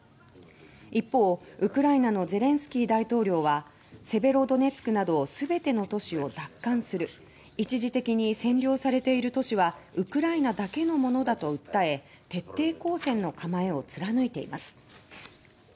一方、ウクライナのゼレンスキー大統領は「セベロドネツクなど全ての都市を奪還する一時的に占領されている都市はウクライナだけのものだ」と訴え徹底抗戦の構えを貫いています。